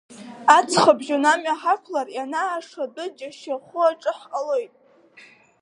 Аҵхыбжьон амҩа ҳақәлар, ианаашо адәы џьашьахәы аҿы ҳҟалоит.